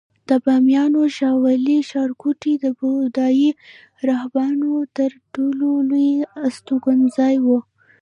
د بامیانو شاولې ښارګوټی د بودایي راهبانو تر ټولو لوی استوګنځای و